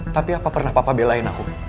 tapi apa pernah papa belain aku